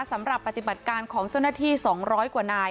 สำหรับปฏิบัติการของเจ้าหน้าที่๒๐๐กว่านาย